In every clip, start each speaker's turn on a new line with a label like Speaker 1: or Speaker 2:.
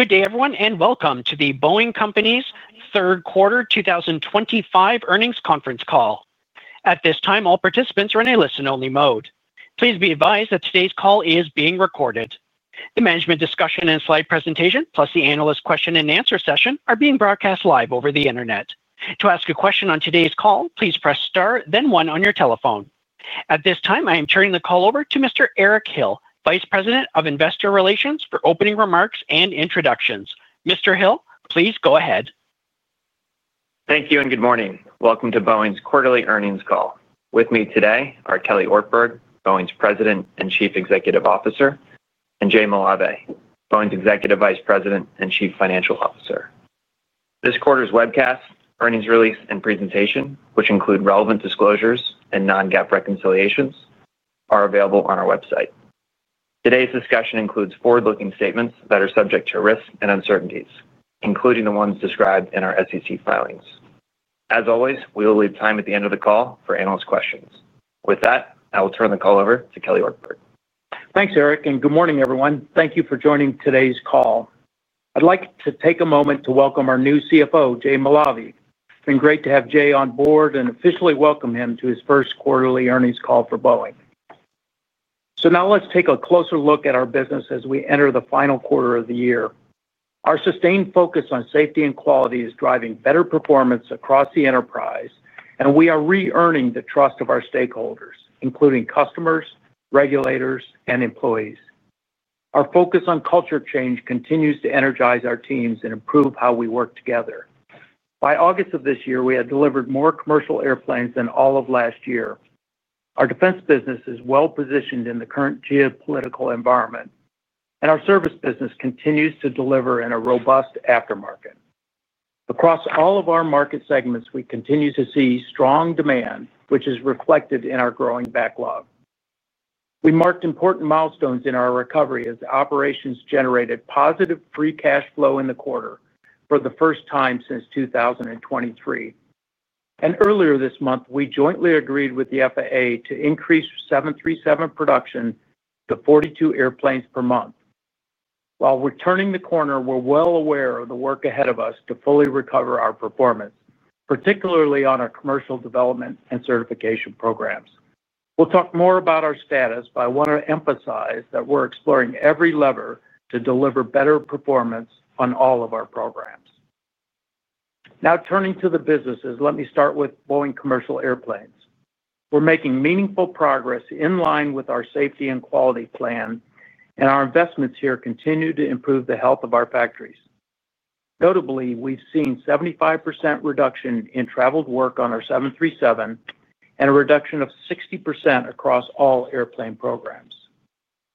Speaker 1: Good day, everyone, and welcome to The Boeing Company's third quarter 2025 earnings conference call. At this time, all participants are in a listen-only mode. Please be advised that today's call is being recorded. The management discussion and slide presentation, plus the analyst question-and-answer session, are being broadcast live over the Internet. To ask a question on today's call, please press star, then one on your telephone. At this time, I am turning the call over to Mr. Eric Hill, Vice President of Investor Relations, for opening remarks and introductions. Mr. Hill, please go ahead.
Speaker 2: Thank you and good morning. Welcome to Boeing's quarterly earnings call. With me today are Dave Calhoun, Boeing's President and Chief Executive Officer, and Jay Malave, Boeing's Executive Vice President and Chief Financial Officer. This quarter's webcast, earnings release, and presentation, which include relevant disclosures and non-GAAP reconciliations, are available on our website. Today's discussion includes forward-looking statements that are subject to risk and uncertainties, including the ones described in our SEC filings. As always, we will leave time at the end of the call for analyst questions. With that, I will turn the call over to Dave Calhoun.
Speaker 3: Thanks, Eric, and good morning, everyone. Thank you for joining today's call. I'd like to take a moment to welcome our new CFO, Jay Malave. It's been great to have Jay on board and officially welcome him to his first quarterly earnings call for The Boeing Company. Now let's take a closer look at our business as we enter the final quarter of the year. Our sustained focus on safety and quality is driving better performance across the enterprise, and we are re-earning the trust of our stakeholders, including customers, regulators, and employees. Our focus on culture change continues to energize our teams and improve how we work together. By August of this year, we had delivered more commercial airplanes than all of last year. Our defense business is well-positioned in the current geopolitical environment, and our service business continues to deliver in a robust aftermarket. Across all of our market segments, we continue to see strong demand, which is reflected in our growing backlog. We marked important milestones in our recovery as operations generated positive free cash flow in the quarter for the first time since 2023. Earlier this month, we jointly agreed with the FAA to increase 737 production to 42 airplanes per month. While we're turning the corner, we're well aware of the work ahead of us to fully recover our performance, particularly on our commercial development and certification programs. We'll talk more about our status, but I want to emphasize that we're exploring every lever to deliver better performance on all of our programs. Now turning to the businesses, let me start with Boeing Commercial Airplanes. We're making meaningful progress in line with our safety and quality plan, and our investments here continue to improve the health of our factories. Notably, we've seen a 75% reduction in traveled work on our 737 and a reduction of 60% across all airplane programs.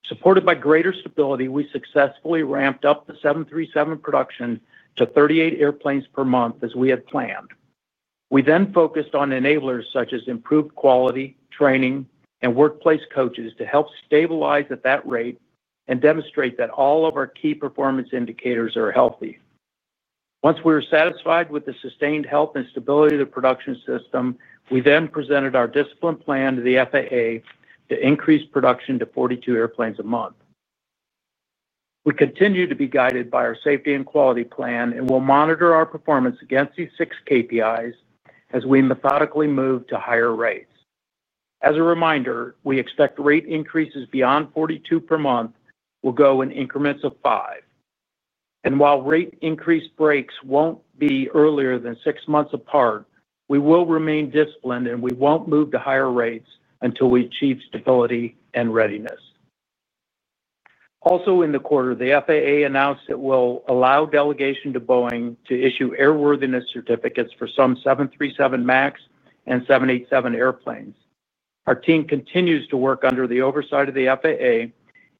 Speaker 3: Supported by greater stability, we successfully ramped up the 737 production to 38 airplanes per month as we had planned. We then focused on enablers such as improved quality, training, and workplace coaches to help stabilize at that rate and demonstrate that all of our key performance indicators are healthy. Once we were satisfied with the sustained health and stability of the production system, we then presented our discipline plan to the FAA to increase production to 42 airplanes a month. We continue to be guided by our safety and quality plan, and we'll monitor our performance against these six KPIs as we methodically move to higher rates. As a reminder, we expect rate increases beyond 42 per month will go in increments of five. While rate increase breaks won't be earlier than six months apart, we will remain disciplined, and we won't move to higher rates until we achieve stability and readiness. Also in the quarter, the FAA announced it will allow delegation to Boeing to issue airworthiness certificates for some 737 MAX and 787 airplanes. Our team continues to work under the oversight of the FAA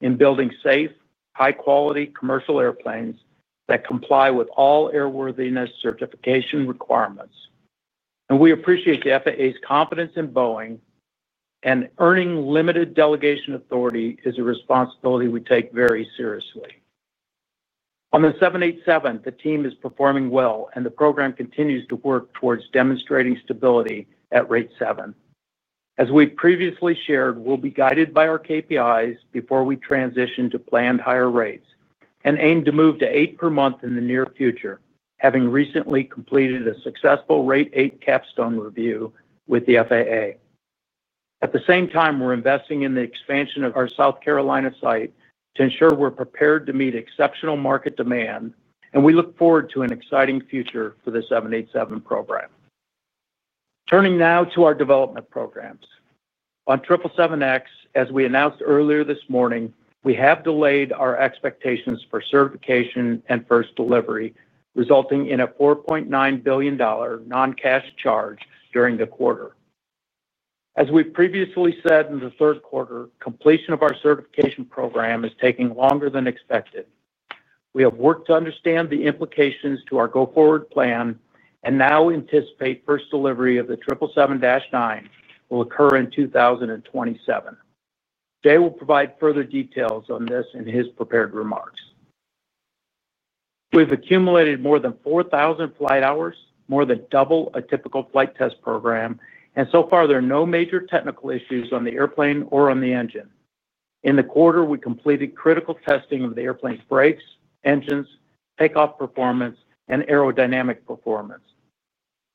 Speaker 3: in building safe, high-quality commercial airplanes that comply with all airworthiness certification requirements. We appreciate the FAA's confidence in Boeing, and earning limited delegation authority is a responsibility we take very seriously. On the 787, the team is performing well, and the program continues to work towards demonstrating stability at rate seven. As we previously shared, we'll be guided by our KPIs before we transition to planned higher rates and aim to move to eight per month in the near future, having recently completed a successful rate eight capstone review with the FAA. At the same time, we're investing in the expansion of our South Carolina site to ensure we're prepared to meet exceptional market demand, and we look forward to an exciting future for the 787 program. Turning now to our development programs. On 777X, as we announced earlier this morning, we have delayed our expectations for certification and first delivery, resulting in a $4.9 billion non-cash charge during the quarter. As we previously said in the third quarter, completion of our certification program is taking longer than expected. We have worked to understand the implications to our go-forward plan and now anticipate first delivery of the 777-9 will occur in 2027. Jay will provide further details on this in his prepared remarks. We've accumulated more than 4,000 flight hours, more than double a typical flight test program, and so far there are no major technical issues on the airplane or on the engine. In the quarter, we completed critical testing of the airplane's brakes, engines, takeoff performance, and aerodynamic performance.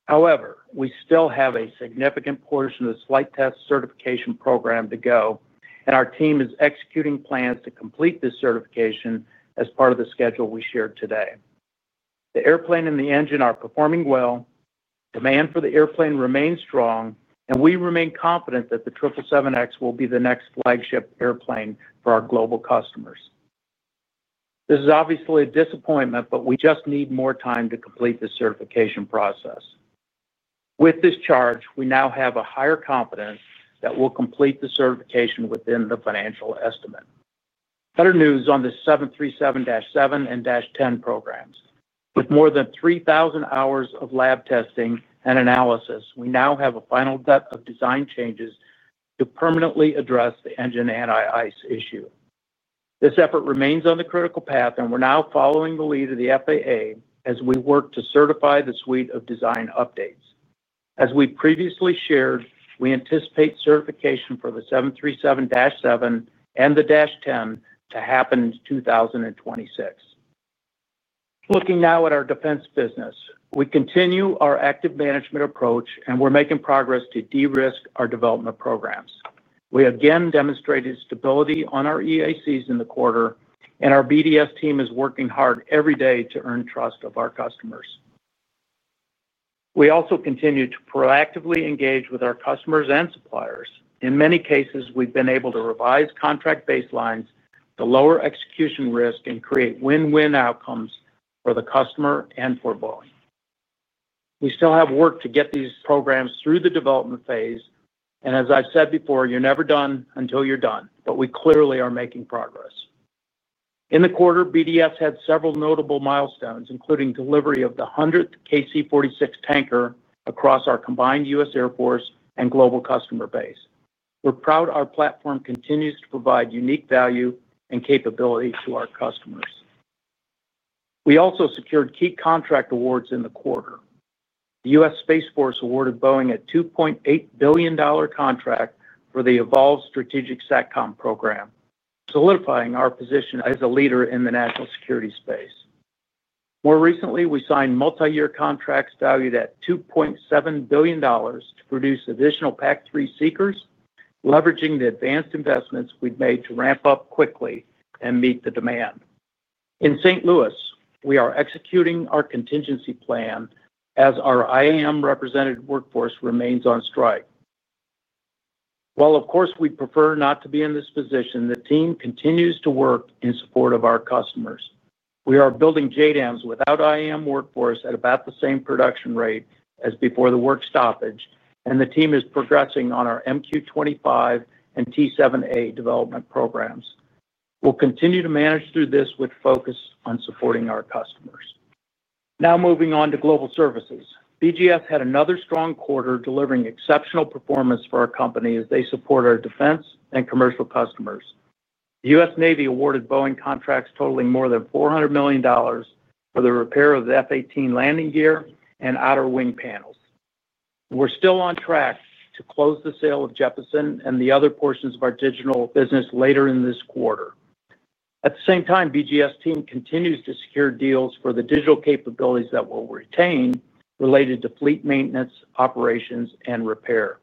Speaker 3: However, we still have a significant portion of the flight test certification program to go, and our team is executing plans to complete this certification as part of the schedule we shared today. The airplane and the engine are performing well, demand for the airplane remains strong, and we remain confident that the 777X will be the next flagship airplane for our global customers. This is obviously a disappointment, but we just need more time to complete the certification process. With this charge, we now have a higher confidence that we'll complete the certification within the financial estimate. Better news on the 737-7 and 737-10 programs. With more than 3,000 hours of lab testing and analysis, we now have a final deck of design changes to permanently address the engine anti-ice issue. This effort remains on the critical path, and we're now following the lead of the FAA as we work to certify the suite of design updates. As we previously shared, we anticipate certification for the 737-7 and the 737-10 to happen in 2026. Looking now at our defense business, we continue our active management approach, and we're making progress to de-risk our development programs. We again demonstrated stability on our EACs in the quarter, and our BDS team is working hard every day to earn trust of our customers. We also continue to proactively engage with our customers and suppliers. In many cases, we've been able to revise contract baselines, lower execution risk, and create win-win outcomes for the customer and for Boeing. We still have work to get these programs through the development phase, and as I've said before, you're never done until you're done, but we clearly are making progress. In the quarter, BDS had several notable milestones, including delivery of the 100th KC-46 tanker across our combined U.S. Air Force and global customer base. We're proud our platform continues to provide unique value and capability to our customers. We also secured key contract awards in the quarter. The U.S. Space Force awarded Boeing a $2.8 billion contract for the Evolved Strategic SatCom program, solidifying our position as a leader in the national security space. More recently, we signed multi-year contracts valued at $2.7 billion to produce additional PAC-3 seekers, leveraging the advanced investments we've made to ramp up quickly and meet the demand. In St. Louis, we are executing our contingency plan as our IAM representative workforce remains on strike. While, of course, we'd prefer not to be in this position, the team continues to work in support of our customers. We are building JDAMs without IAM workforce at about the same production rate as before the work stoppage, and the team is progressing on our MQ-25 and T-7A development programs. We'll continue to manage through this with focus on supporting our customers. Now moving on to Global Services. BGS had another strong quarter delivering exceptional performance for our company as they support our defense and commercial customers. The U.S. Navy awarded Boeing contracts totaling more than $400 million for the repair of the F/A-18 landing gear and outer wing panels. We're still on track to close the sale of Jeppesen and the other portions of our digital business later in this quarter. At the same time, the BGS team continues to secure deals for the digital capabilities that we'll retain related to fleet maintenance, operations, and repair.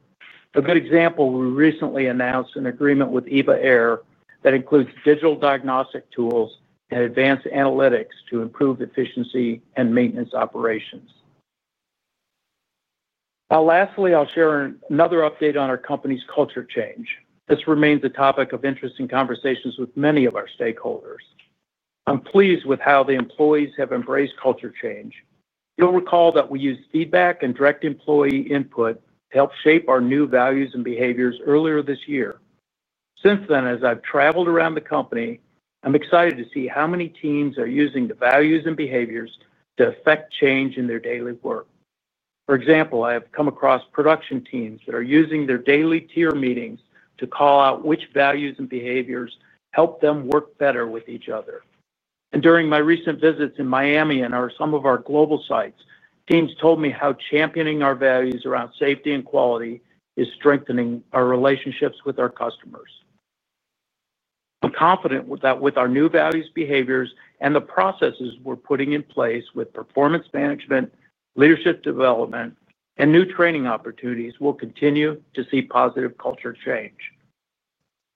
Speaker 3: A good example, we recently announced an agreement with EVA Air that includes digital diagnostic tools and advanced analytics to improve efficiency and maintenance operations. Now, lastly, I'll share another update on our company's culture change. This remains a topic of interesting conversations with many of our stakeholders. I'm pleased with how the employees have embraced culture change. You'll recall that we use feedback and direct employee input to help shape our new values and behaviors earlier this year. Since then, as I've traveled around the company, I'm excited to see how many teams are using the values and behaviors to affect change in their daily work. For example, I have come across production teams that are using their daily tier meetings to call out which values and behaviors help them work better with each other. During my recent visits in Miami and some of our global sites, teams told me how championing our values around safety and quality is strengthening our relationships with our customers. I'm confident that with our new values, behaviors, and the processes we're putting in place with performance management, leadership development, and new training opportunities, we'll continue to see positive culture change.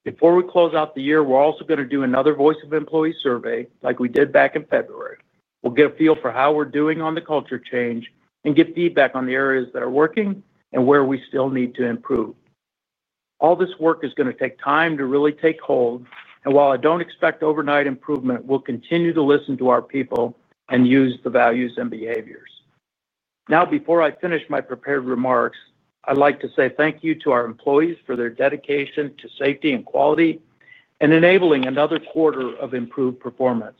Speaker 3: Before we close out the year, we're also going to do another voice of employee survey like we did back in February. We'll get a feel for how we're doing on the culture change and get feedback on the areas that are working and where we still need to improve. All this work is going to take time to really take hold, and while I don't expect overnight improvement, we'll continue to listen to our people and use the values and behaviors. Now, before I finish my prepared remarks, I'd like to say thank you to our employees for their dedication to safety and quality and enabling another quarter of improved performance.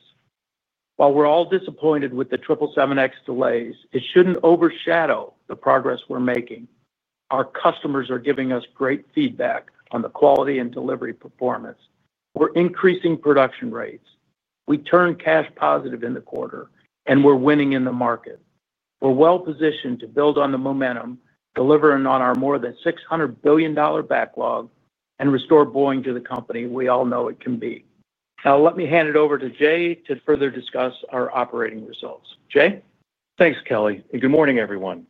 Speaker 3: While we're all disappointed with the 777X delays, it shouldn't overshadow the progress we're making. Our customers are giving us great feedback on the quality and delivery performance. We're increasing production rates. We turned cash positive in the quarter, and we're winning in the market. We're well-positioned to build on the momentum, delivering on our more than $600 billion backlog, and restore Boeing to the company we all know it can be. Now, let me hand it over to Jay to further discuss our operating results. Jay?
Speaker 4: Thanks, Dave, and good morning, everyone.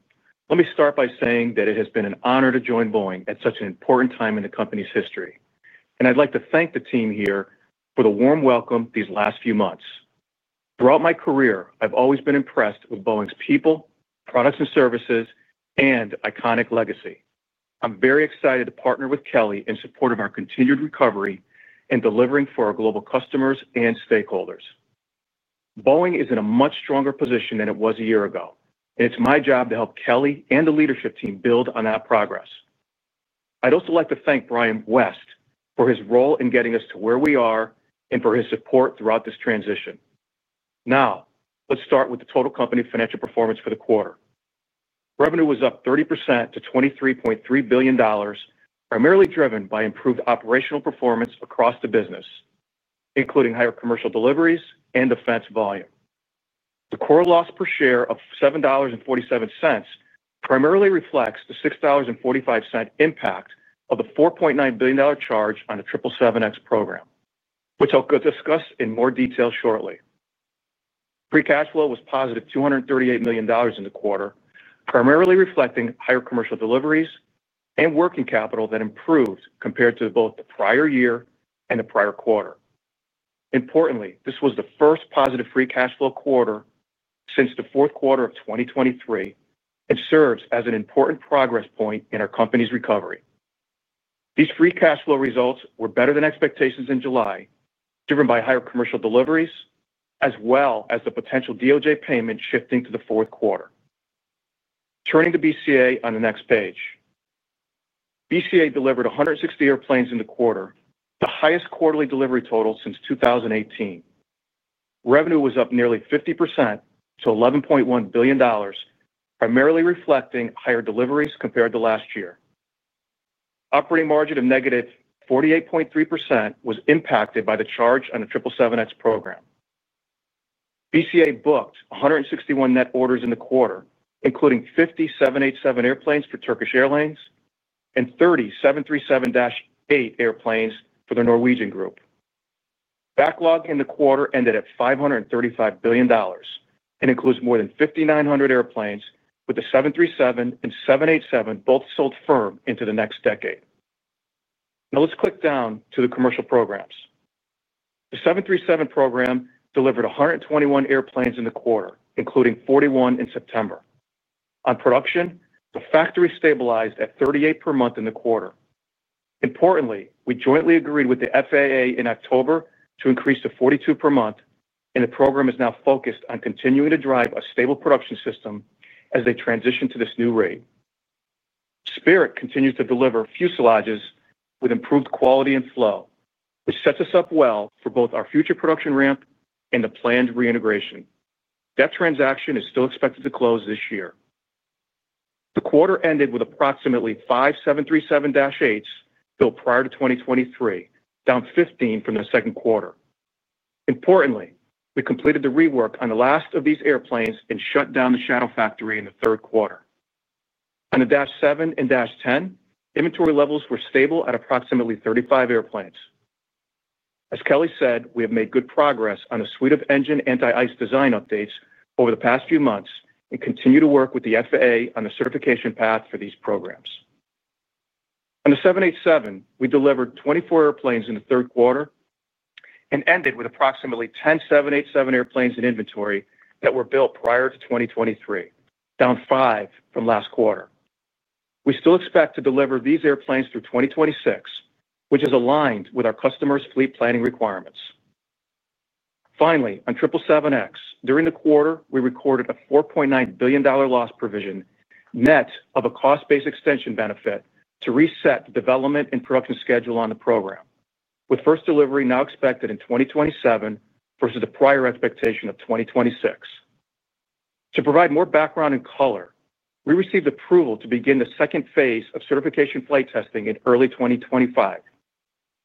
Speaker 4: Let me start by saying that it has been an honor to join The Boeing Company at such an important time in the company's history, and I'd like to thank the team here for the warm welcome these last few months. Throughout my career, I've always been impressed with Boeing's people, products, and services, and iconic legacy. I'm very excited to partner with Dave in support of our continued recovery and delivering for our global customers and stakeholders. Boeing is in a much stronger position than it was a year ago, and it's my job to help Kelly and the leadership team build on that progress. I'd also like to thank Brian West for his role in getting us to where we are and for his support throughout this transition. Now, let's start with the total company financial performance for the quarter. Revenue was up 30% to $23.3 billion, primarily driven by improved operational performance across the business, including higher commercial deliveries and defense volume. The core loss per share of $7.47 primarily reflects the $6.45 impact of the $4.9 billion charge on the 777X program, which I'll discuss in more detail shortly. Free cash flow was positive $238 million in the quarter, primarily reflecting higher commercial deliveries and working capital that improved compared to both the prior year and the prior quarter. Importantly, this was the first positive free cash flow quarter since the fourth quarter of 2023 and serves as an important progress point in our company's recovery. These free cash flow results were better than expectations in July, driven by higher commercial deliveries as well as the potential DOJ payment shifting to the fourth quarter. Turning to BCA on the next page, BCA delivered 160 airplanes in the quarter, the highest quarterly delivery total since 2018. Revenue was up nearly 50% to $11.1 billion, primarily reflecting higher deliveries compared to last year. Operating margin of negative 48.3% was impacted by the charge on the 777X program. BCA booked 161 net orders in the quarter, including 50 787 airplanes for Turkish Airlines and 30 737-8 airplanes for the Norwegian Group. Backlog in the quarter ended at $535 billion and includes more than 5,900 airplanes, with the 737 and 787 both sold firm into the next decade. Now let's click down to the commercial programs. The 737 program delivered 121 airplanes in the quarter, including 41 in September. On production, the factory stabilized at 38 per month in the quarter. Importantly, we jointly agreed with the FAA in October to increase to 42 per month, and the program is now focused on continuing to drive a stable production system as they transition to this new rate. Spirit continues to deliver fuselages with improved quality and flow, which sets us up well for both our future production ramp and the planned reintegration. That transaction is still expected to close this year. The quarter ended with approximately five 737-8s built prior to 2023, down 15 from the second quarter. Importantly, we completed the rework on the last of these airplanes and shut down the shadow factory in the third quarter. On the 737 MAX 7 and 737 MAX 10, inventory levels were stable at approximately 35 airplanes. As Kelly said, we have made good progress on a suite of engine anti-ice design updates over the past few months and continue to work with the FAA on the certification path for these programs. On the 787, we delivered 24 airplanes in the third quarter and ended with approximately 10 787 airplanes in inventory that were built prior to 2023, down five from last quarter. We still expect to deliver these airplanes through 2026, which is aligned with our customers' fleet planning requirements. Finally, on 777X, during the quarter, we recorded a $4.9 billion loss provision net of a cost-based extension benefit to reset the development and production schedule on the program, with first delivery now expected in 2027 versus the prior expectation of 2026. To provide more background and color, we received approval to begin the second phase of certification flight testing in early 2025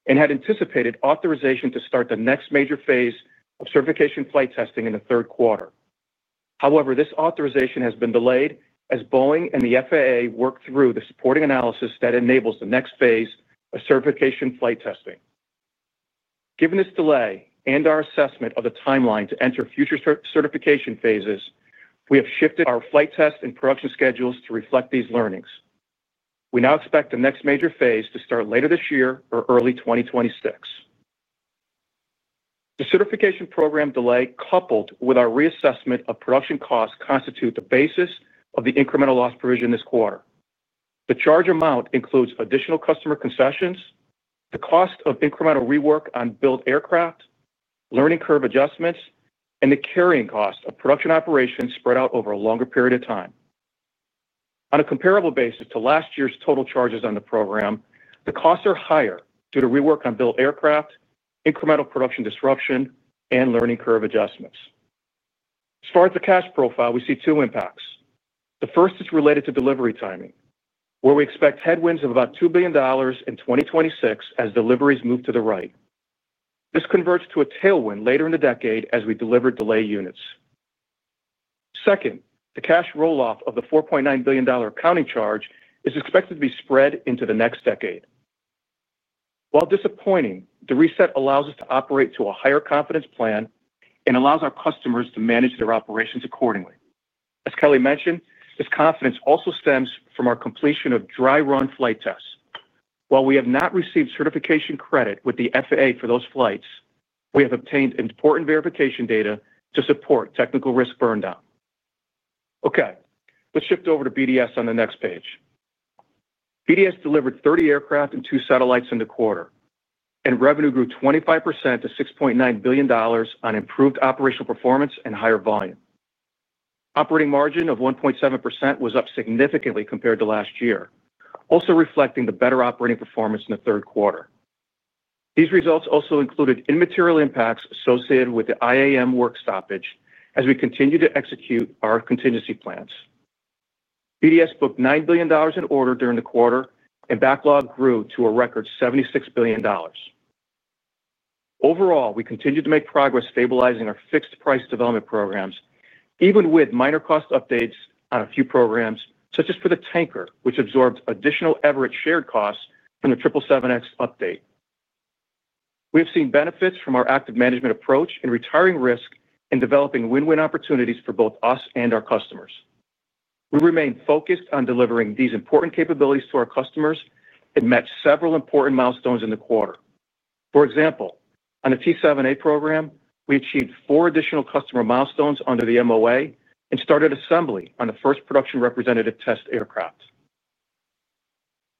Speaker 4: and had anticipated authorization to start the next major phase of certification flight testing in the third quarter. However, this authorization has been delayed as Boeing and the FAA work through the supporting analysis that enables the next phase of certification flight testing. Given this delay and our assessment of the timeline to enter future certification phases, we have shifted our flight test and production schedules to reflect these learnings. We now expect the next major phase to start later this year or early 2026. The certification program delay, coupled with our reassessment of production costs, constitutes the basis of the incremental loss provision this quarter. The charge amount includes additional customer concessions, the cost of incremental rework on built aircraft, learning curve adjustments, and the carrying cost of production operations spread out over a longer period of time. On a comparable basis to last year's total charges on the program, the costs are higher due to rework on built aircraft, incremental production disruption, and learning curve adjustments. As far as the cash profile, we see two impacts. The first is related to delivery timing, where we expect headwinds of about $2 billion in 2026 as deliveries move to the right. This converts to a tailwind later in the decade as we deliver delay units. Second, the cash roll-off of the $4.9 billion accounting charge is expected to be spread into the next decade. While disappointing, the reset allows us to operate to a higher confidence plan and allows our customers to manage their operations accordingly. As Kelly mentioned, this confidence also stems from our completion of dry run flight tests. While we have not received certification credit with the FAA for those flights, we have obtained important verification data to support technical risk burndown. Okay, let's shift over to BDS on the next page. BDS delivered 30 aircraft and two satellites in the quarter, and revenue grew 25% to $6.9 billion on improved operational performance and higher volume. Operating margin of 1.7% was up significantly compared to last year, also reflecting the better operating performance in the third quarter. These results also included immaterial impacts associated with the IAM work stoppage as we continue to execute our contingency plans. BDS booked $9 billion in order during the quarter, and backlog grew to a record $76 billion. Overall, we continue to make progress stabilizing our fixed price development programs, even with minor cost updates on a few programs, such as for the tanker, which absorbed additional Everett shared costs from the 777X update. We have seen benefits from our active management approach in retiring risk and developing win-win opportunities for both us and our customers. We remain focused on delivering these important capabilities to our customers and met several important milestones in the quarter. For example, on the T-7A program, we achieved four additional customer milestones under the MOA and started assembly on the first production representative test aircraft.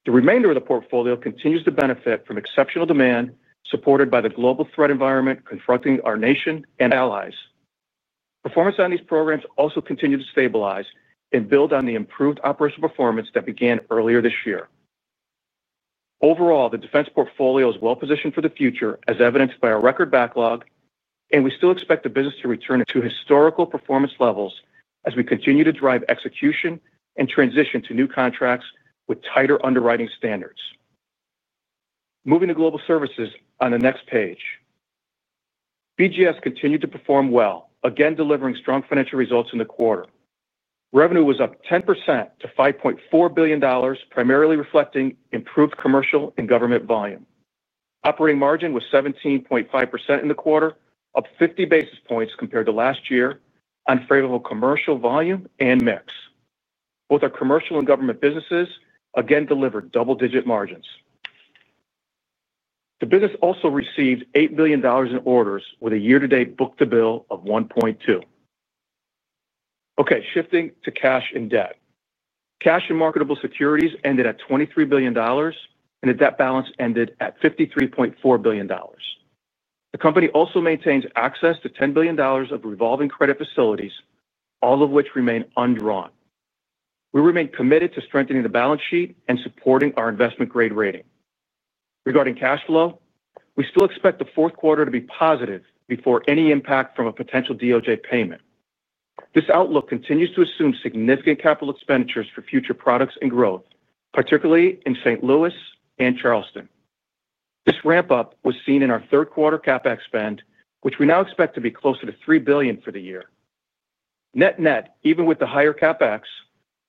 Speaker 4: The remainder of the portfolio continues to benefit from exceptional demand supported by the global threat environment confronting our nation and allies. Performance on these programs also continues to stabilize and build on the improved operational performance that began earlier this year. Overall, the defense portfolio is well-positioned for the future, as evidenced by our record backlog, and we still expect the business to return to historical performance levels as we continue to drive execution and transition to new contracts with tighter underwriting standards. Moving to global services on the next page, BGS continued to perform well, again delivering strong financial results in the quarter. Revenue was up 10% to $5.4 billion, primarily reflecting improved commercial and government volume. Operating margin was 17.5% in the quarter, up 50 basis points compared to last year on favorable commercial volume and mix. Both our commercial and government businesses again delivered double-digit margins. The business also received $8 billion in orders with a year-to-date book-to-bill of 1.2. Okay, shifting to cash and debt. Cash and marketable securities ended at $23 billion, and the debt balance ended at $53.4 billion. The company also maintains access to $10 billion of revolving credit facilities, all of which remain undrawn. We remain committed to strengthening the balance sheet and supporting our investment-grade rating. Regarding cash flow, we still expect the fourth quarter to be positive before any impact from a potential DOJ payment. This outlook continues to assume significant capital expenditures for future products and growth, particularly in St. Louis and Charleston. This ramp-up was seen in our third-quarter CapEx spend, which we now expect to be closer to $3 billion for the year. Net-net, even with the higher CapEx,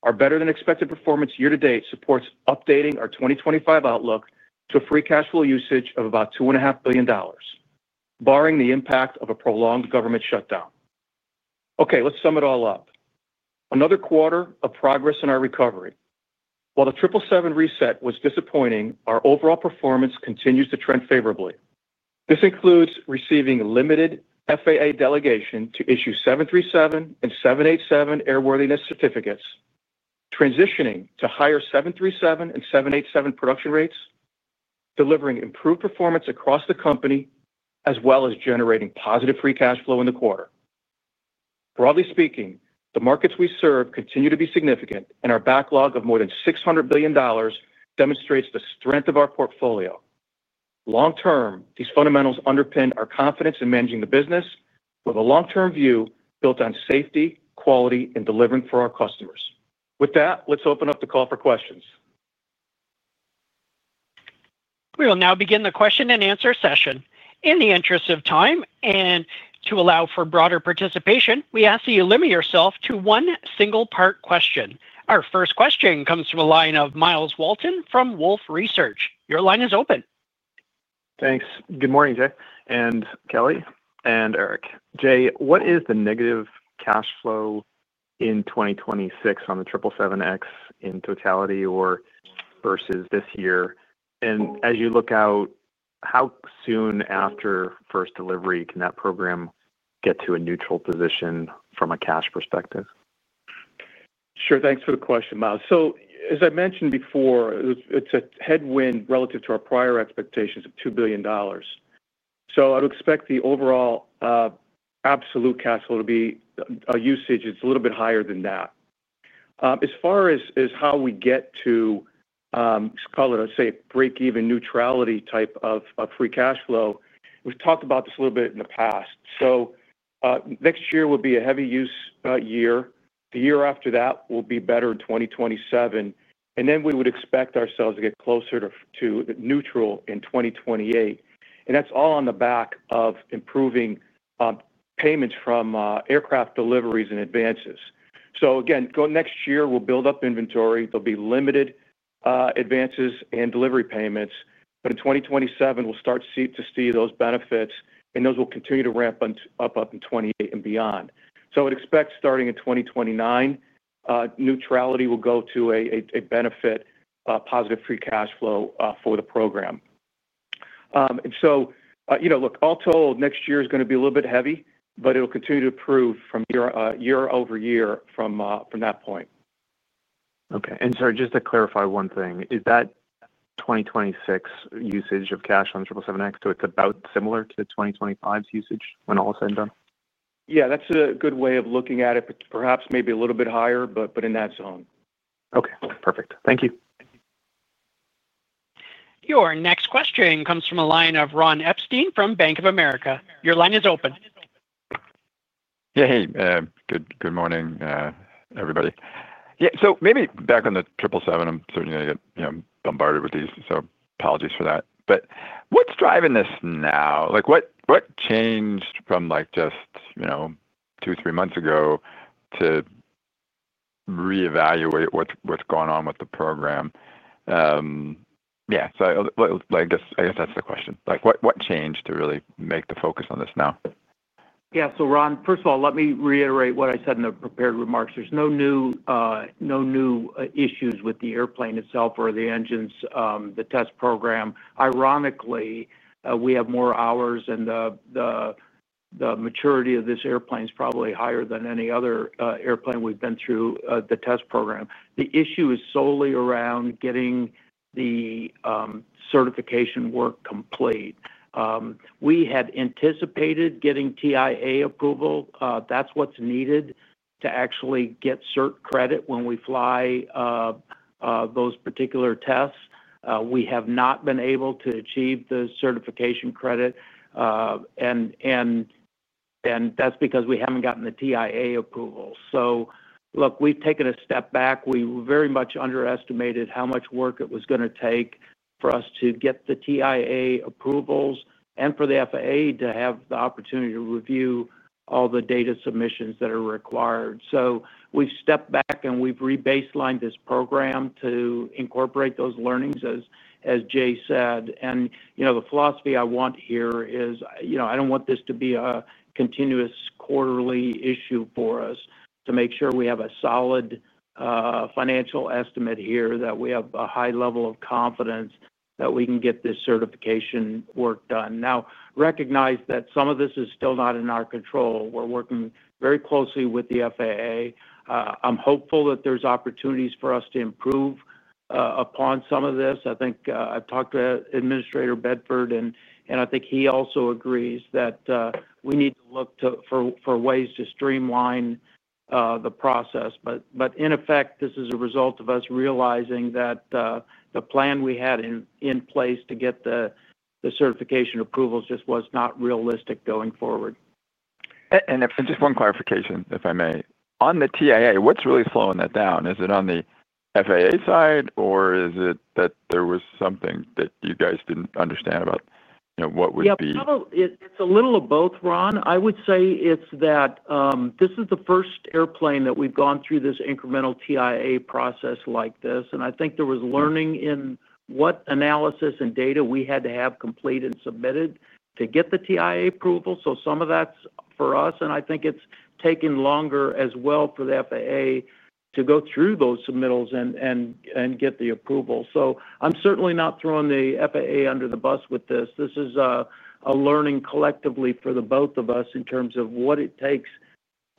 Speaker 4: our better-than-expected performance year-to-date supports updating our 2025 outlook to a free cash flow usage of about $2.5 billion, barring the impact of a prolonged government shutdown. Okay, let's sum it all up. Another quarter of progress in our recovery. While the 777 reset was disappointing, our overall performance continues to trend favorably. This includes receiving limited FAA delegation to issue 737 and 787 airworthiness certificates, transitioning to higher 737 and 787 production rates, delivering improved performance across the company, as well as generating positive free cash flow in the quarter. Broadly speaking, the markets we serve continue to be significant, and our backlog of more than $600 billion demonstrates the strength of our portfolio. Long-term, these fundamentals underpin our confidence in managing the business with a long-term view built on safety, quality, and delivering for our customers. With that, let's open up the call for questions.
Speaker 1: We will now begin the question-and-answer session. In the interest of time and to allow for broader participation, we ask that you limit yourself to one single-part question. Our first question comes from a line of Myles Alexander Walton from Wolfe Research. Your line is open.
Speaker 5: Thanks. Good morning, Jay, and Dave and Eric. Jay, what is the negative cash flow in 2026 on the 777X in totality or versus this year? As you look out, how soon after first delivery can that program get to a neutral position from a cash perspective?
Speaker 4: Sure, thanks for the question, Myles. As I mentioned before, it's a headwind relative to our prior expectations of $2 billion. I would expect the overall absolute cash flow to be a usage that's a little bit higher than that. As far as how we get to, let's call it, let's say break-even neutrality type of free cash flow, we've talked about this a little bit in the past. Next year will be a heavy-use year. The year after that will be better in 2027, and we would expect ourselves to get closer to neutral in 2028. That's all on the back of improving payments from aircraft deliveries and advances. Going next year, we'll build up inventory. There'll be limited advances and delivery payments, but in 2027, we'll start to see those benefits, and those will continue to ramp up in 2028 and beyond. I would expect starting in 2029, neutrality will go to a benefit, positive free cash flow for the program. All told, next year is going to be a little bit heavy, but it'll continue to improve year over year from that point.
Speaker 5: Okay, sorry, just to clarify one thing, is that 2026 usage of cash on the 777X, so it's about similar to the 2025's usage when all is said and done?
Speaker 4: Yeah, that's a good way of looking at it. Perhaps maybe a little bit higher, but in that zone.
Speaker 5: Okay, perfect. Thank you.
Speaker 1: Your next question comes from a line of Ron Epstein from Bank of America. Your line is open.
Speaker 6: Yeah, hey, good morning, everybody. Maybe back on the 777, I'm certainly going to get, you know, bombarded with these, so apologies for that. What's driving this now? Like, what changed from just, you know, two, three months ago to reevaluate what's going on with the program? I guess that's the question. What changed to really make the focus on this now?
Speaker 7: Yeah, so Ron, first of all, let me reiterate what I said in the prepared remarks. There's no new issues with the airplane itself or the engines, the test program. Ironically, we have more hours, and the maturity of this airplane is probably higher than any other airplane we've been through the test program. The issue is solely around getting the certification work complete. We had anticipated getting TIA approval. That's what's needed to actually get cert credit when we fly those particular tests. We have not been able to achieve the certification credit, and that's because we haven't gotten the TIA approvals. Look, we've taken a step back. We very much underestimated how much work it was going to take for us to get the TIA approvals and for the FAA to have the opportunity to review all the data submissions that are required. We've stepped back, and we've rebaselined this program to incorporate those learnings, as Jay said. The philosophy I want here is, I don't want this to be a continuous quarterly issue for us, to make sure we have a solid financial estimate here that we have a high level of confidence that we can get this certification work done. Now, recognize that some of this is still not in our control. We're working very closely with the FAA. I'm hopeful that there's opportunities for us to improve upon some of this. I think I've talked to Administrator Bedford, and I think he also agrees that we need to look for ways to streamline the process. In effect, this is a result of us realizing that the plan we had in place to get the certification approvals just was not realistic going forward.
Speaker 6: Just one clarification, if I may. On the TIA, what's really slowing that down? Is it on the FAA side, or is it that there was something that you guys didn't understand about, you know, what would be.
Speaker 3: Yeah, probably it's a little of both, Ron. I would say it's that this is the first airplane that we've gone through this incremental TIA process like this, and I think there was learning in what analysis and data we had to have completed and submitted to get the TIA approval. Some of that's for us, and I think it's taken longer as well for the FAA to go through those submittals and get the approval. I'm certainly not throwing the FAA under the bus with this. This is a learning collectively for the both of us in terms of what it takes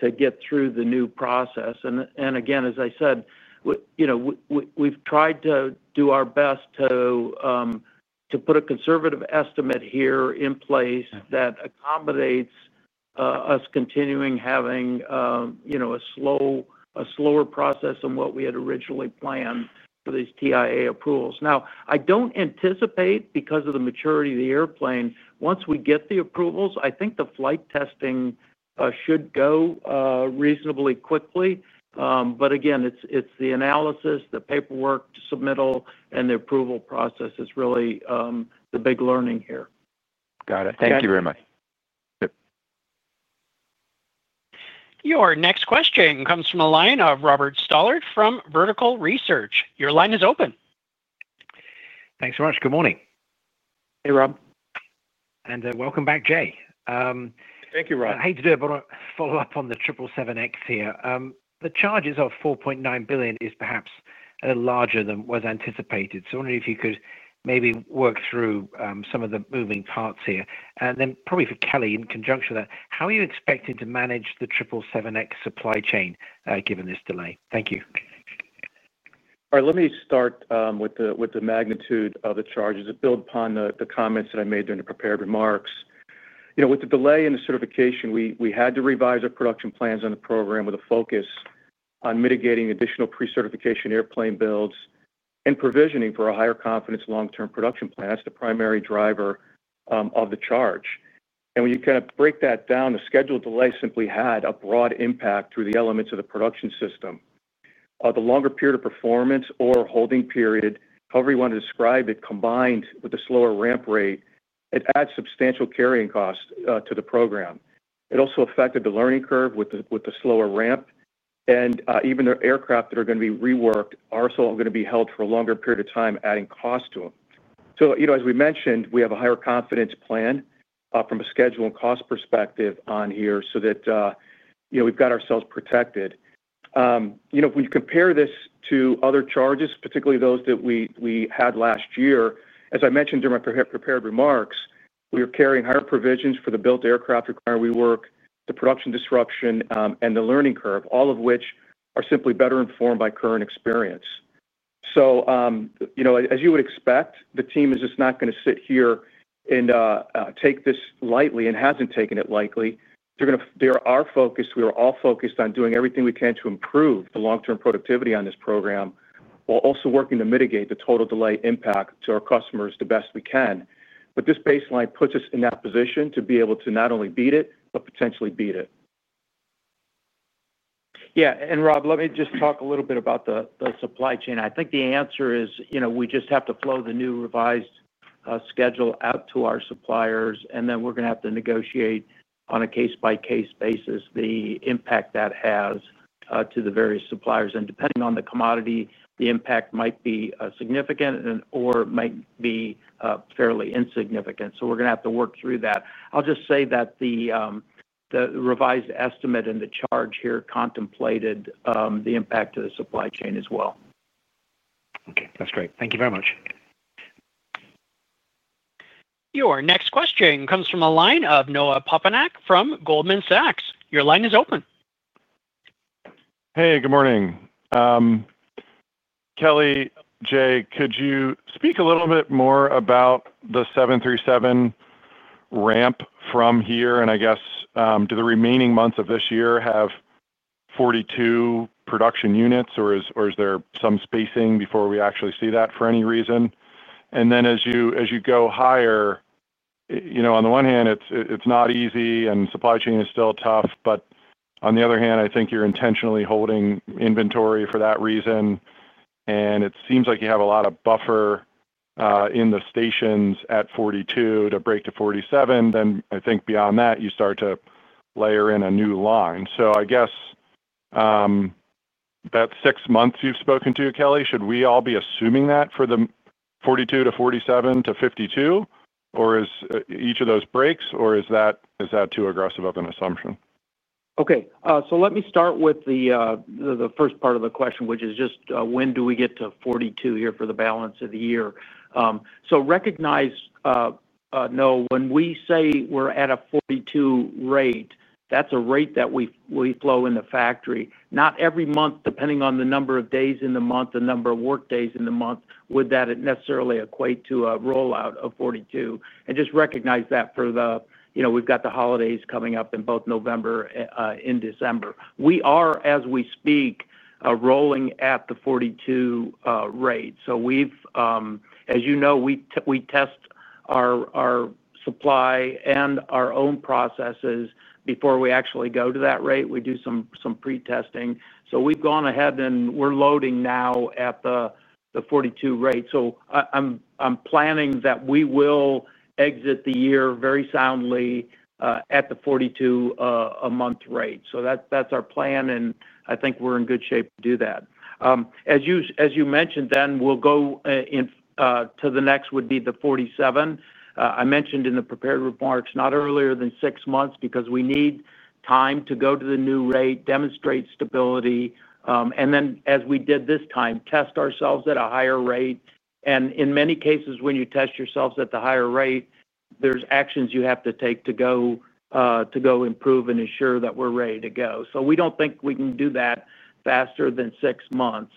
Speaker 3: to get through the new process. Again, as I said, we've tried to do our best to put a conservative estimate here in place that accommodates us continuing having a slower process than what we had originally planned for these TIA approvals. Now, I don't anticipate, because of the maturity of the airplane, once we get the approvals, I think the flight testing should go reasonably quickly. Again, it's the analysis, the paperwork, submittal, and the approval process is really the big learning here.
Speaker 6: Got it. Thank you very much.
Speaker 1: Your next question comes from a line of Robert Stollard from Vertical Research. Your line is open.
Speaker 8: Thanks very much. Good morning.
Speaker 3: Hey, Rob.
Speaker 2: Welcome back, Jay.
Speaker 4: Thank you, Rob.
Speaker 8: I hate to do it, but I want to follow up on the 777X here. The charge is of $4.9 billion, is perhaps a little larger than was anticipated. I wonder if you could maybe work through some of the moving parts here. Probably for Dave, in conjunction with that, how are you expecting to manage the 777X supply chain given this delay? Thank you.
Speaker 3: All right, let me start with the magnitude of the charges that build upon the comments that I made during the prepared remarks. With the delay in the certification, we had to revise our production plans on the program with a focus on mitigating additional pre-certification airplane builds and provisioning for a higher confidence long-term production plan. That's the primary driver of the charge. When you kind of break that down, the scheduled delay simply had a broad impact through the elements of the production system. The longer period of performance or holding period, however you want to describe it, combined with the slower ramp rate, adds substantial carrying costs to the program. It also affected the learning curve with the slower ramp, and even the aircraft that are going to be reworked are also going to be held for a longer period of time, adding costs to them. As we mentioned, we have a higher confidence plan from a schedule and cost perspective on here so that we've got ourselves protected. When you compare this to other charges, particularly those that we had last year, as I mentioned during my prepared remarks, we are carrying higher provisions for the built aircraft requirement rework, the production disruption, and the learning curve, all of which are simply better informed by current experience. As you would expect, the team is just not going to sit here and take this lightly and hasn't taken it lightly. They're our focus. We are all focused on doing everything we can to improve the long-term productivity on this program while also working to mitigate the total delay impact to our customers the best we can. This baseline puts us in that position to be able to not only beat it, but potentially beat it.
Speaker 4: Yeah, Rob, let me just talk a little bit about the supply chain. I think the answer is, you know, we just have to flow the new revised schedule out to our suppliers, and then we're going to have to negotiate on a case-by-case basis the impact that has to the various suppliers. Depending on the commodity, the impact might be significant or might be fairly insignificant. We're going to have to work through that. I'll just say that the revised estimate and the charge here contemplated the impact to the supply chain as well.
Speaker 8: Okay, that's great. Thank you very much.
Speaker 1: Your next question comes from a line of Noah Poponak from Goldman Sachs. Your line is open.
Speaker 9: Hey, good morning. Dave, Jay, could you speak a little bit more about the 737 ramp from here? Do the remaining months of this year have 42 production units, or is there some spacing before we actually see that for any reason? As you go higher, you know, on the one hand, it's not easy, and supply chain is still tough, but on the other hand, I think you're intentionally holding inventory for that reason. It seems like you have a lot of buffer in the stations at 42 to break to 47. I think beyond that, you start to layer in a new line. I guess that six months you've spoken to, Kelly, should we all be assuming that for the 42 to 47 to 52, or is each of those breaks, or is that too aggressive of an assumption?
Speaker 4: Okay, let me start with the first part of the question, which is just when do we get to 42 here for the balance of the year? Recognize, when we say we're at a 42 rate, that's a rate that we flow in the factory. Not every month, depending on the number of days in the month, the number of work days in the month, would that necessarily equate to a rollout of 42. Just recognize that we've got the holidays coming up in both November and December. We are, as we speak, rolling at the 42 rate. As you know, we test our supply and our own processes before we actually go to that rate. We do some pre-testing. We've gone ahead and we're loading now at the 42 rate. I'm planning that we will exit the year very soundly at the 42 a month rate. That's our plan, and I think we're in good shape to do that. As you mentioned, the next would be the 47. I mentioned in the prepared remarks, not earlier than six months because we need time to go to the new rate, demonstrate stability, and then, as we did this time, test ourselves at a higher rate. In many cases, when you test yourselves at the higher rate, there are actions you have to take to go improve and ensure that we're ready to go. We don't think we can do that faster than six months.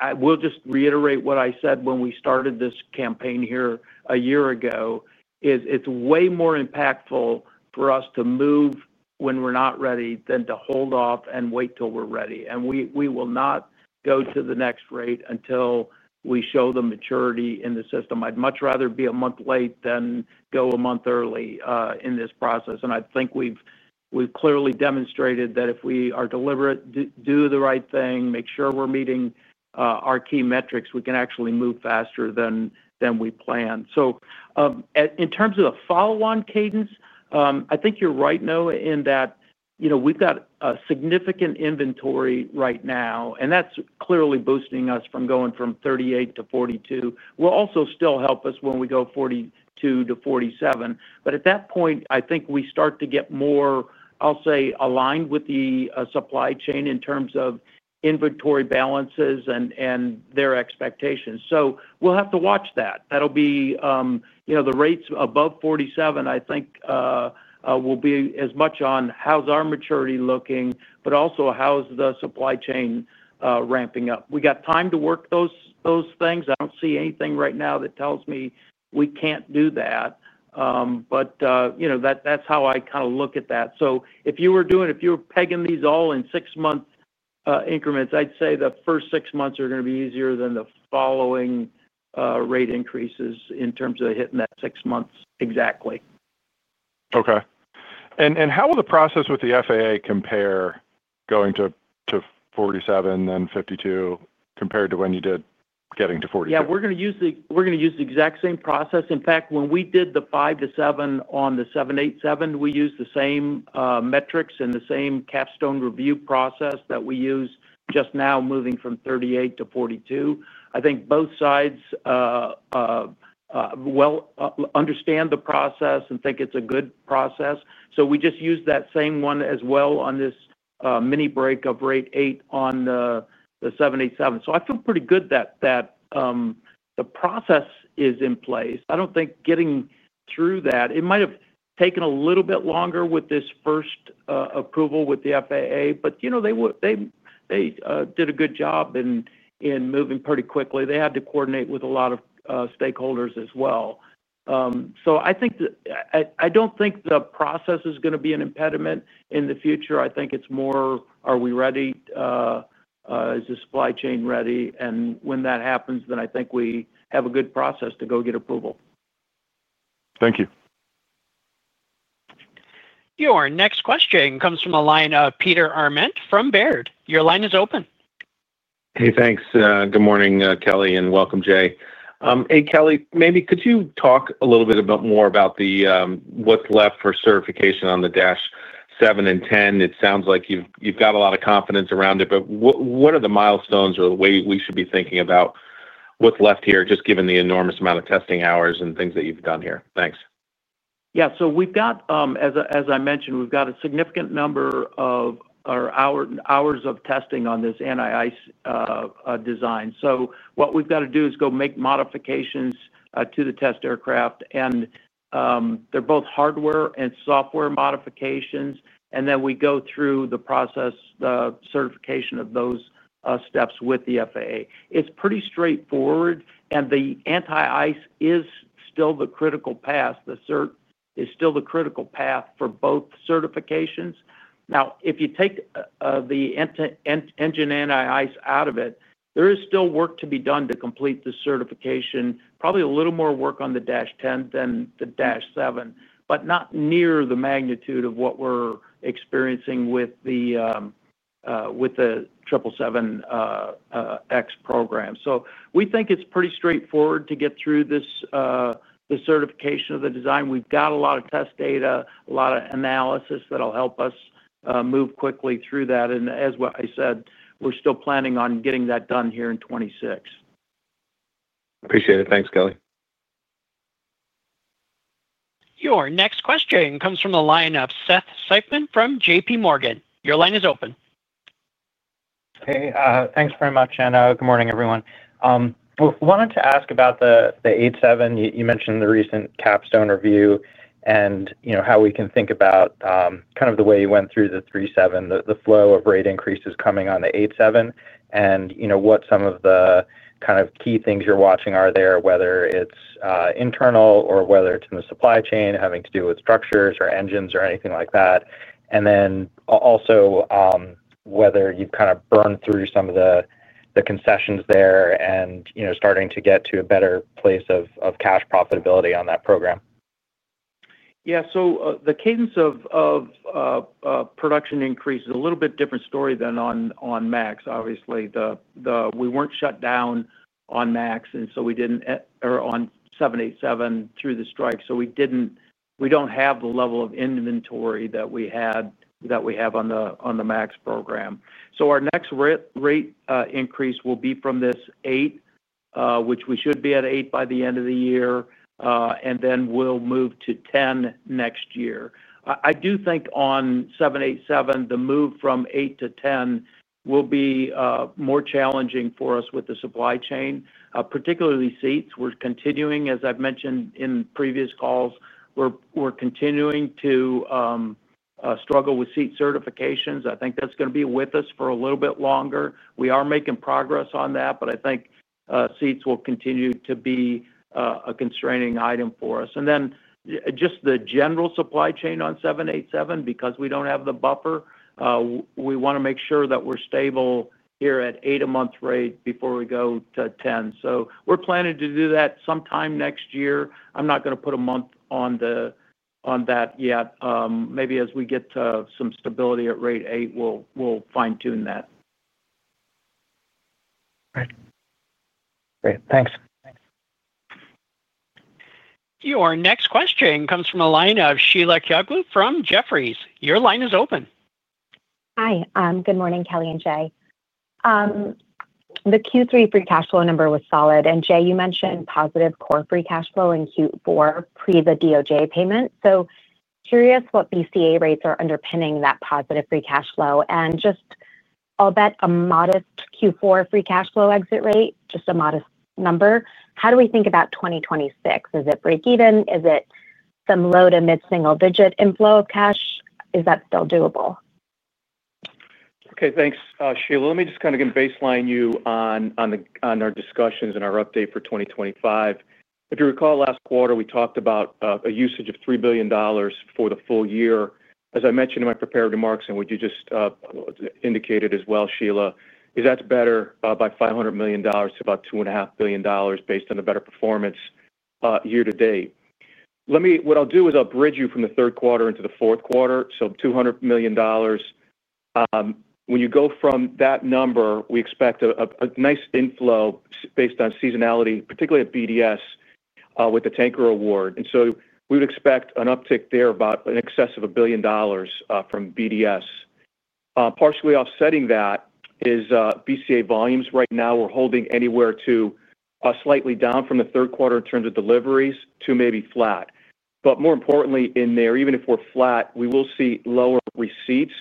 Speaker 4: I will just reiterate what I said when we started this campaign here a year ago, it's way more impactful for us to move when we're not ready than to hold off and wait till we're ready. We will not go to the next rate until we show the maturity in the system. I'd much rather be a month late than go a month early in this process. I think we've clearly demonstrated that if we are deliberate, do the right thing, make sure we're meeting our key metrics, we can actually move faster than we planned. In terms of the follow-on cadence, I think you're right, Noah, in that we've got a significant inventory right now, and that's clearly boosting us from going from 38 to 42. Will also still help us when we go 42 to 47. At that point, I think we start to get more, I'll say, aligned with the supply chain in terms of inventory balances and their expectations. We'll have to watch that. The rates above 47, I think, will be as much on how's our maturity looking, but also how's the supply chain ramping up. We got time to work those things. I don't see anything right now that tells me we can't do that. That's how I kind of look at that. If you were pegging these all in six-month increments, I'd say the first six months are going to be easier than the following rate increases in terms of hitting that six months exactly.
Speaker 9: Okay. How will the process with the FAA compare going to 47 and then 52 compared to when you did getting to 42?
Speaker 4: Yeah, we're going to use the exact same process. In fact, when we did the five to seven on the 787, we used the same metrics and the same capstone review process that we use just now, moving from 38 to 42. I think both sides understand the process and think it's a good process. We just use that same one as well on this mini break of rate eight on the 787. I feel pretty good that the process is in place. I don't think getting through that, it might have taken a little bit longer with this first approval with the FAA, but you know, they did a good job in moving pretty quickly. They had to coordinate with a lot of stakeholders as well. I don't think the process is going to be an impediment in the future. I think it's more, are we ready? Is the supply chain ready? When that happens, I think we have a good process to go get approval.
Speaker 9: Thank you.
Speaker 1: Your next question comes from a line of Peter Arment from Baird. Your line is open.
Speaker 10: Hey, thanks. Good morning, Kelly, and welcome, Jay. Hey, Kelly, maybe could you talk a little bit more about what's left for certification on the 737 MAX 7 and 737 MAX 10? It sounds like you've got a lot of confidence around it, but what are the milestones or the way we should be thinking about what's left here, just given the enormous amount of testing hours and things that you've done here? Thanks.
Speaker 4: Yeah, we've got a significant number of our hours of testing on this anti-ice design. What we've got to do is go make modifications to the test aircraft, and they're both hardware and software modifications. Then we go through the process, the certification of those steps with the FAA. It's pretty straightforward, and the anti-ice is still the critical path. The cert is still the critical path for both certifications. If you take the engine anti-ice out of it, there is still work to be done to complete the certification. Probably a little more work on the 737 MAX 10 than the 737 MAX 7, but not near the magnitude of what we're experiencing with the 777X program. We think it's pretty straightforward to get through the certification of the design. We've got a lot of test data, a lot of analysis that'll help us move quickly through that. As I said, we're still planning on getting that done here in 2026.
Speaker 5: Appreciate it. Thanks, Dave.
Speaker 1: Your next question comes from a line of Seth Seifman from JPMorgan. Your line is open.
Speaker 11: Hey, thanks very much, and good morning, everyone. I wanted to ask about the 787. You mentioned the recent capstone review and how we can think about kind of the way you went through the 737, the flow of rate increases coming on the 787, and what some of the kind of key things you're watching are there, whether it's internal or whether it's in the supply chain, having to do with structures or engines or anything like that. Also, whether you've kind of burned through some of the concessions there and starting to get to a better place of cash profitability on that program.
Speaker 4: Yeah, the cadence of production increase is a little bit different story than on MAX. Obviously, we weren't shut down on MAX, and we didn't, or on 787 through the strike, so we don't have the level of inventory that we had, that we have on the MAX program. Our next rate increase will be from this eight, which we should be at eight by the end of the year, and then we'll move to 10 next year. I do think on 787, the move from eight to 10 will be more challenging for us with the supply chain, particularly seats. We're continuing, as I've mentioned in previous calls, to struggle with seat certifications. I think that's going to be with us for a little bit longer. We are making progress on that, but I think seats will continue to be a constraining item for us. The general supply chain on 787, because we don't have the buffer, we want to make sure that we're stable here at eight a month rate before we go to 10. We're planning to do that sometime next year. I'm not going to put a month on that yet. Maybe as we get to some stability at rate eight, we'll fine-tune that.
Speaker 5: Great. Thanks.
Speaker 1: Your next question comes from a line of Sheila Kahyaoglu from Jefferies. Your line is open.
Speaker 12: Hi, good morning, Dave and Jay. The Q3 free cash flow number was solid, and Jay, you mentioned positive core free cash flow in Q4 pre the DOJ payment. Curious what BCA rates are underpinning that positive free cash flow. I'll bet a modest Q4 free cash flow exit rate, just a modest number. How do we think about 2026? Is it break-even? Is it some low to mid-single-digit inflow of cash? Is that still doable?
Speaker 4: Okay, thanks, Sheila. Let me just kind of baseline you on our discussions and our update for 2025. If you recall last quarter, we talked about a usage of $3 billion for the full year. As I mentioned in my prepared remarks, and what you just indicated as well, Sheila, that's better by $500 million to about $2.5 billion based on the better performance year to date. What I'll do is I'll bridge you from the third quarter into the fourth quarter, so $200 million. When you go from that number, we expect a nice inflow based on seasonality, particularly at BDS with the tanker award. We would expect an uptick there about in excess of $1 billion from BDS. Partially offsetting that is BCA volumes. Right now, we're holding anywhere to slightly down from the third quarter in terms of deliveries to maybe flat. More importantly, in there, even if we're flat, we will see lower receipts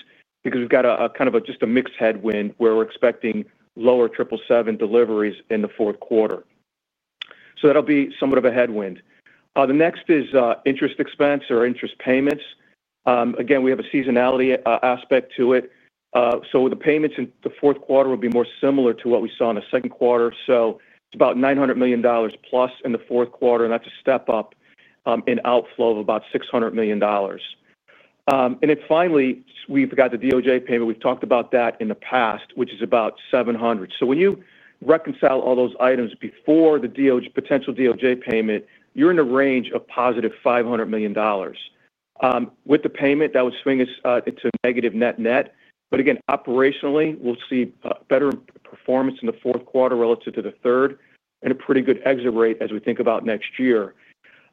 Speaker 4: because we've got a kind of just a mixed headwind where we're expecting lower 777 deliveries in the fourth quarter. That'll be somewhat of a headwind. The next is interest expense or interest payments. We have a seasonality aspect to it. The payments in the fourth quarter will be more similar to what we saw in the second quarter. It's about $900 million plus in the fourth quarter, and that's a step up in outflow of about $600 million. Finally, we've got the DOJ payment. We've talked about that in the past, which is about $700 million. When you reconcile all those items before the potential DOJ payment, you're in a range of positive $500 million. With the payment, that would swing us into a negative net net. Again, operationally, we'll see better performance in the fourth quarter relative to the third and a pretty good exit rate as we think about next year.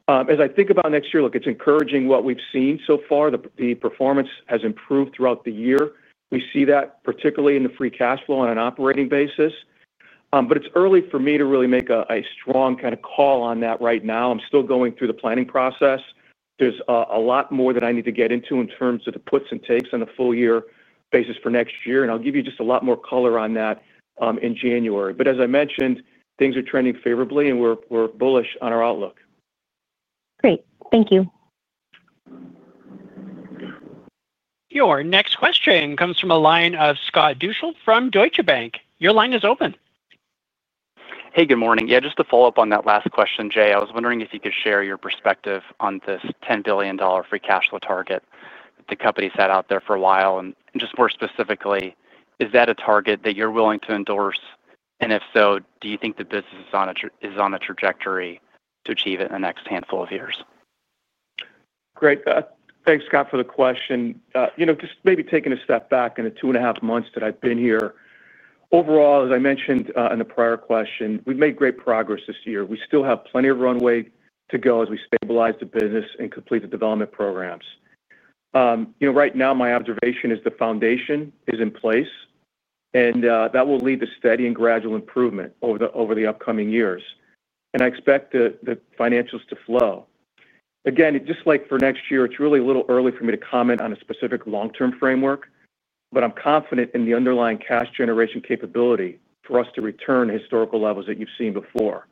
Speaker 4: As I think about next year, look, it's encouraging what we've seen so far. The performance has improved throughout the year. We see that particularly in the free cash flow on an operating basis. It's early for me to really make a strong kind of call on that right now. I'm still going through the planning process. There's a lot more that I need to get into in terms of the puts and takes on the full year basis for next year, and I'll give you just a lot more color on that in January. As I mentioned, things are trending favorably, and we're bullish on our outlook.
Speaker 9: Great, thank you.
Speaker 1: Your next question comes from a line of Scott Deuschle from Deutsche Bank. Your line is open.
Speaker 13: Hey, good morning. Just to follow up on that last question, Jay, I was wondering if you could share your perspective on this $10 billion free cash flow target that the company set out there for a while. Just more specifically, is that a target that you're willing to endorse? If so, do you think the business is on a trajectory to achieve it in the next handful of years?
Speaker 4: Great, thanks, Scott, for the question. Just maybe taking a step back in the two and a half months that I've been here, overall, as I mentioned in the prior question, we've made great progress this year. We still have plenty of runway to go as we stabilize the business and complete the development programs. Right now, my observation is the foundation is in place, and that will lead to steady and gradual improvement over the upcoming years. I expect the financials to flow. Again, just like for next year, it's really a little early for me to comment on a specific long-term framework, but I'm confident in the underlying cash generation capability for us to return to historical levels that you've seen before.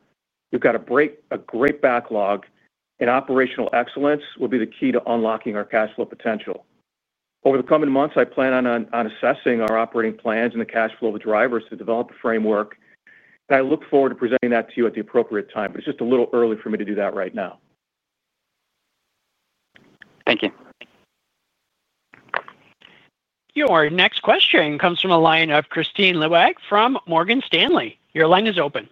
Speaker 4: We've got a great backlog, and operational excellence will be the key to unlocking our cash flow potential. Over the coming months, I plan on assessing our operating plans and the cash flow of the drivers to develop a framework, and I look forward to presenting that to you at the appropriate time. It's just a little early for me to do that right now.
Speaker 13: Thank you.
Speaker 1: Your next question comes from a line of Kristine Liwag from Morgan Stanley. Your line is open.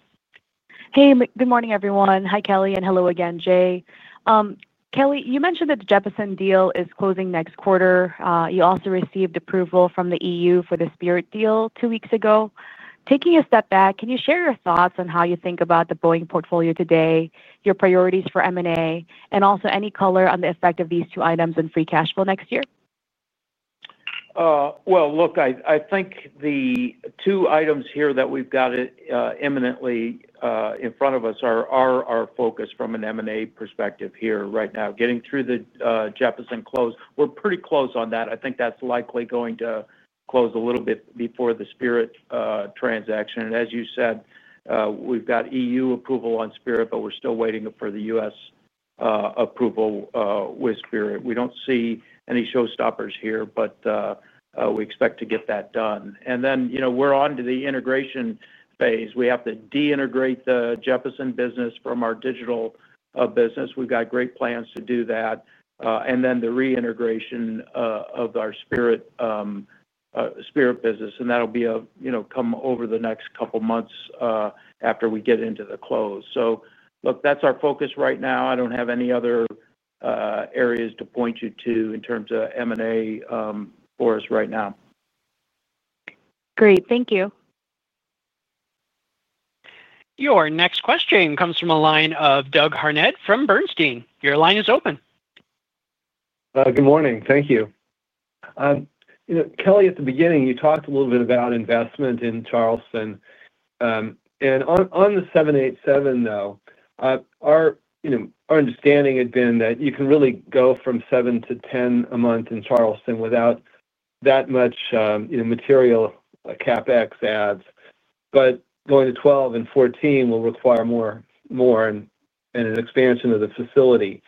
Speaker 14: Hey, good morning, everyone. Hi, Dave, and hello again, Jay. Dave, you mentioned that the Jeppesen deal is closing next quarter. You also received approval from the EU for the Spirit AeroSystems deal two weeks ago. Taking a step back, can you share your thoughts on how you think about The Boeing Company portfolio today, your priorities for M&A, and also any color on the effect of these two items on free cash flow next year?
Speaker 3: I think the two items here that we've got imminently in front of us are our focus from an M&A perspective right now. Getting through the Jeppesen close, we're pretty close on that. I think that's likely going to close a little bit before the Spirit AeroSystems transaction. As you said, we've got EU approval on Spirit AeroSystems, but we're still waiting for the U.S. approval with Spirit AeroSystems. We don't see any showstoppers here, but we expect to get that done. We're onto the integration phase. We have to de-integrate the Jeppesen business from our digital business. We've got great plans to do that. The reintegration of our Spirit AeroSystems business will come over the next couple of months after we get into the close. That's our focus right now. I don't have any other areas to point you to in terms of M&A for us right now.
Speaker 14: Great, thank you.
Speaker 1: Your next question comes from a line of Doug Harned from Bernstein. Your line is open.
Speaker 15: Good morning, thank you. You know, Dave, at the beginning, you talked a little bit about investment in Charleston. On the 787, though, our understanding had been that you can really go from 7 to 10 a month in Charleston without that much material CapEx adds. Going to 12 and 14 will require more and an expansion of the facility.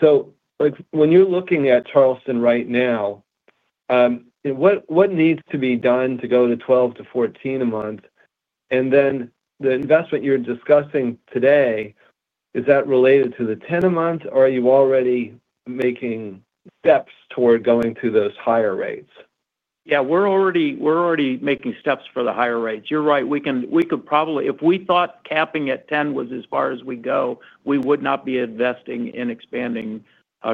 Speaker 15: When you're looking at Charleston right now, what needs to be done to go to 12 to 14 a month? The investment you're discussing today, is that related to the 10 a month, or are you already making steps toward going to those higher rates?
Speaker 3: Yeah, we're already making steps for the higher rates. You're right. We could probably, if we thought capping at 10 was as far as we'd go, we would not be investing in expanding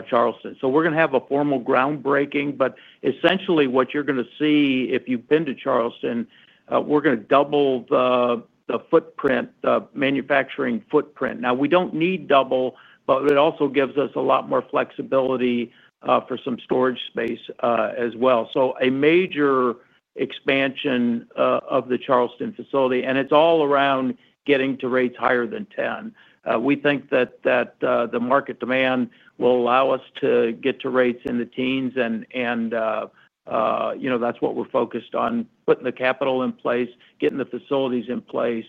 Speaker 3: Charleston. We're going to have a formal groundbreaking, but essentially what you're going to see if you pin to Charleston, we're going to double the footprint, the manufacturing footprint. We don't need double, but it also gives us a lot more flexibility for some storage space as well. A major expansion of the Charleston facility, and it's all around getting to rates higher than 10. We think that the market demand will allow us to get to rates in the teens, and you know, that's what we're focused on, putting the capital in place, getting the facilities in place.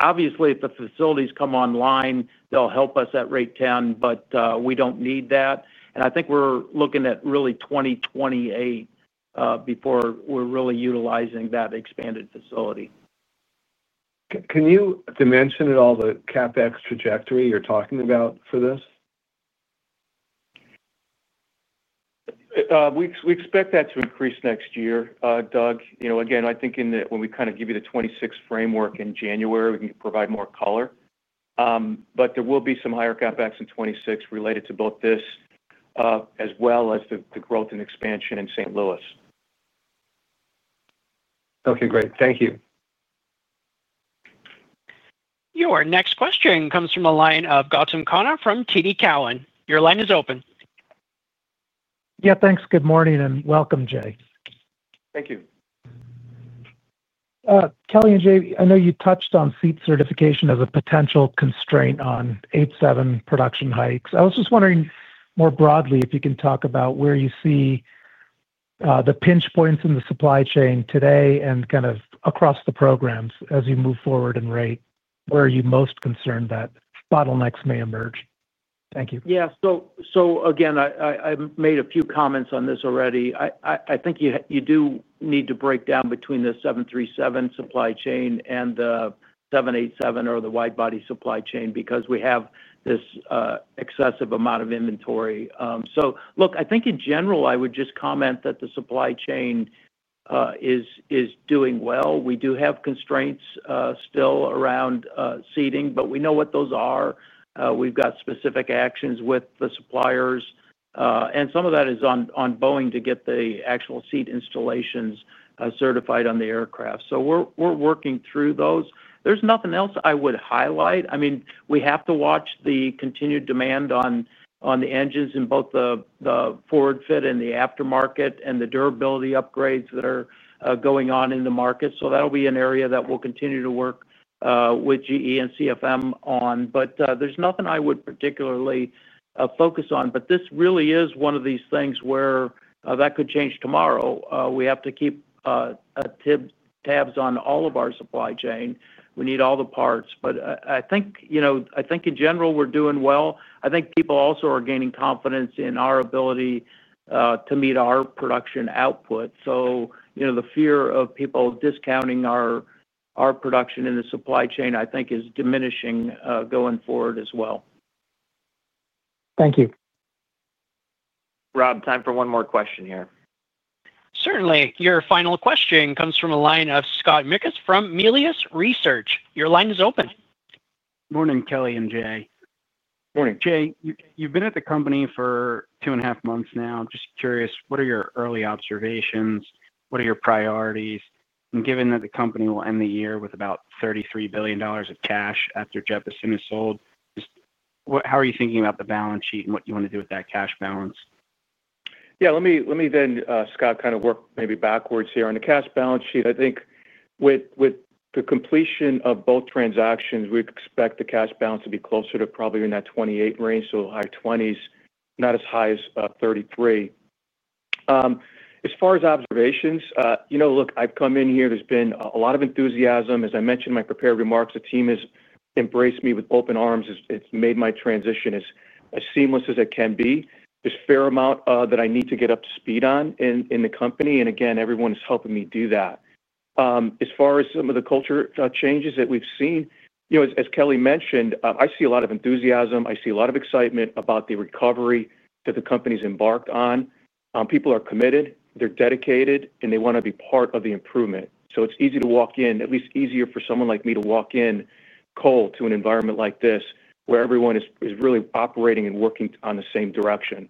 Speaker 3: Obviously, if the facilities come online, they'll help us at rate 10, but we don't need that. I think we're looking at really 2028 before we're really utilizing that expanded facility.
Speaker 15: Can you dimension at all the CapEx trajectory you're talking about for this?
Speaker 3: We expect that to increase next year, Doug. Again, I think when we kind of give you the 2026 framework in January, we can provide more color. There will be some higher CapEx in 2026 related to both this as well as the growth and expansion in St. Louis.
Speaker 15: Okay, great. Thank you.
Speaker 1: Your next question comes from a line of Gautam Khanna from TD Cowen. Your line is open.
Speaker 16: Yeah, thanks. Good morning and welcome, Jay.
Speaker 4: Thank you.
Speaker 16: Dave and Jay, I know you touched on seat certification as a potential constraint on 787 production hikes. I was just wondering more broadly if you can talk about where you see the pinch points in the supply chain today and kind of across the programs as you move forward in rate, where are you most concerned that bottlenecks may emerge? Thank you.
Speaker 3: Yeah, I made a few comments on this already. I think you do need to break down between the 737 supply chain and the 787 or the wide-body supply chain because we have this excessive amount of inventory. I think in general, I would just comment that the supply chain is doing well. We do have constraints still around seating, but we know what those are. We've got specific actions with the suppliers, and some of that is on Boeing to get the actual seat installations certified on the aircraft. We're working through those. There's nothing else I would highlight. I mean, we have to watch the continued demand on the engines in both the forward fit and the aftermarket and the durability upgrades that are going on in the market. That'll be an area that we'll continue to work with GE and CFM on. There's nothing I would particularly focus on. This really is one of these things where that could change tomorrow. We have to keep tabs on all of our supply chain. We need all the parts. I think in general, we're doing well. I think people also are gaining confidence in our ability to meet our production output. The fear of people discounting our production in the supply chain, I think, is diminishing going forward as well.
Speaker 16: Thank you.
Speaker 1: Rob, time for one more question here. Certainly. Your final question comes from a line of Scott Mikus from Melius Research. Your line is open.
Speaker 17: Morning, Jay.
Speaker 4: Morning.
Speaker 17: Jay, you've been at the company for two and a half months now. I'm just curious, what are your early observations? What are your priorities? Given that the company will end the year with about $33 billion of cash after Jeppesen is sold, how are you thinking about the balance sheet and what you want to do with that cash balance?
Speaker 4: Yeah, let me then, Scott, kind of work maybe backwards here. On the cash balance sheet, I think with the completion of both transactions, we expect the cash balance to be closer to probably in that $28 billion range, so high $20 billions, not as high as $33 billion. As far as observations, you know, look, I've come in here, there's been a lot of enthusiasm. As I mentioned in my prepared remarks, the team has embraced me with open arms. It's made my transition as seamless as it can be. There's a fair amount that I need to get up to speed on in the company, and again, everyone is helping me do that. As far as some of the culture changes that we've seen, you know, as Dave mentioned, I see a lot of enthusiasm. I see a lot of excitement about the recovery that the company's embarked on. People are committed, they're dedicated, and they want to be part of the improvement. It's easy to walk in, at least easier for someone like me to walk in cold to an environment like this where everyone is really operating and working in the same direction.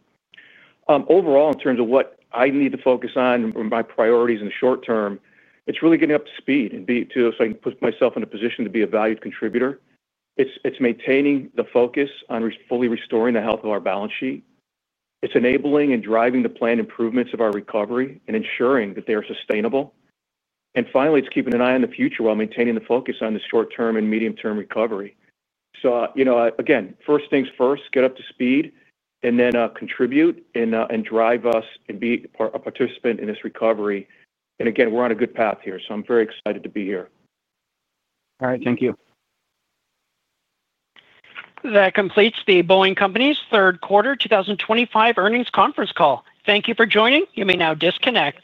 Speaker 4: Overall, in terms of what I need to focus on or my priorities in the short term, it's really getting up to speed and to put myself in a position to be a valued contributor. It's maintaining the focus on fully restoring the health of our balance sheet. It's enabling and driving the planned improvements of our recovery and ensuring that they are sustainable. Finally, it's keeping an eye on the future while maintaining the focus on the short-term and medium-term recovery. You know, again, first things first, get up to speed, and then contribute and drive us and be a participant in this recovery. Again, we're on a good path here, so I'm very excited to be here.
Speaker 17: All right, thank you.
Speaker 1: That completes The Boeing Company's Third Quarter 2025 Earnings Conference Call. Thank you for joining. You may now disconnect.